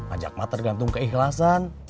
ajak ma tergantung keikhlasan